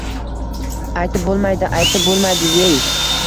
Aytib bo‘lmaydi, aytib bo‘lmaydi-yey